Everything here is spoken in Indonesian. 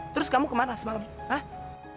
terus kamu kemana semalam ah